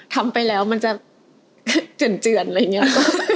ทำไปแล้วมันจะเจือนอะไรเงี้ย